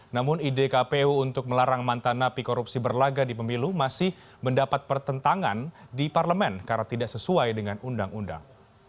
namun ide kpu untuk melarang mantan napi korupsi berlaga di pemilu masih mendapat pertentangan di parlemen karena tidak sesuai dengan undang undang